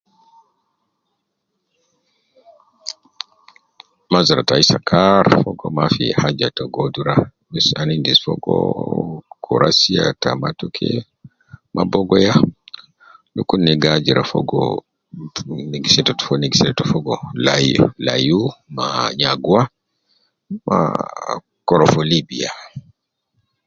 Mazra tayi sakaari, mafi haja ta godura, bes ana endis fogo kura siya ta matoke ma bogoya dukur ina gi ajira fogo, ina gisetetu ina gisetetu fogo layu, layu, nyagwa , korofo libiya.